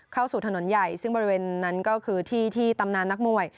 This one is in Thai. เข้าสู่ถนนใหญ่ซึ่งบริเวณนั้นก็คือที่ที่ตำนานนักมวย